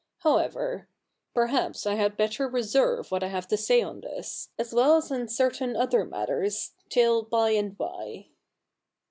However, perhaps I had better reserve what I have to say on this, as well as on certain other matters, till by and by.'